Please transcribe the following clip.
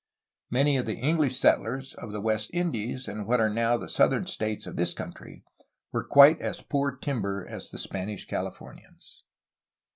Many of the English settlers of the West Indies and what are now the southern states of this country were quite as poor timber as the Spanish Californians.